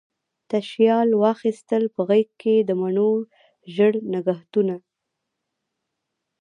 تشیال واخیستل په غیږکې، د مڼو ژړ نګهتونه